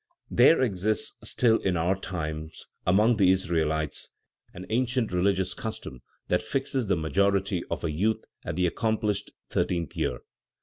There exists still, in our times, among the Israelites, an ancient religious custom that fixes the majority of a youth at the accomplished thirteenth year.